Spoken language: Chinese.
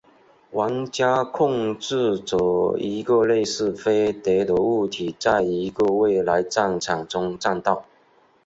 玩家控制着一个类似飞碟的物体在一个未来战场中战斗。